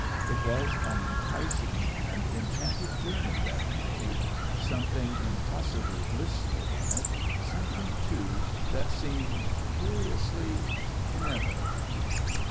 It was an enticing and enchanted journey that he made, something impossibly blissful in it, something, too, that seemed curiously inevitable.